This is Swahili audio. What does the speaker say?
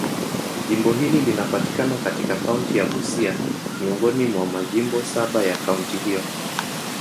Jimbo hili linapatikana katika kaunti ya Busia, miongoni mwa majimbo saba ya kaunti hiyo.